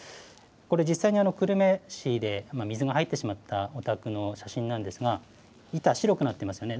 これ、実際に久留米市で水が入ってしまったお宅の写真なんですが、板、白くなっていますよね。